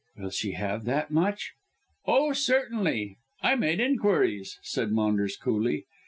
"Will she have that much?" "Oh, certainly. I made inquiries," said Maunders coolly.